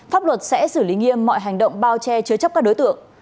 pháp luật sẽ xử lý nghiêm mọi hành động bao che chứa chấp các đối tượng